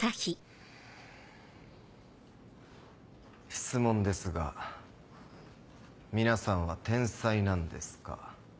質問ですが皆さんは天才なんですか？